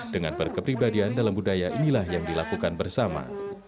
dengan berkepribadian dalam budaya inilah yang dilakukan bersama